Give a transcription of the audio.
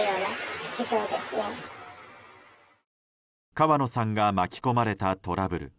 川野さんが巻き込まれたトラブル。